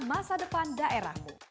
masa depan daerahmu